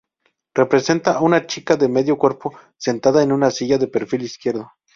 Representa una chica de medio cuerpo, sentada en una silla, de perfil izquierdo.